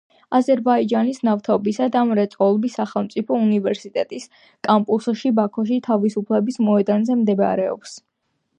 აზერბაიჯანის ნავთობისა და მრეწველობის სახელმწიფო უნივერსიტეტის კამპუსი ბაქოში, თავისუფლების მოედანზე მდებარეობს.